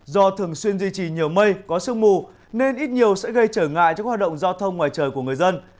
do thường xuyên duy trì nhiều mây có sương mù nên ít nhiều sẽ gây trở ngại cho các hoạt động giao thông ngoài trời của người dân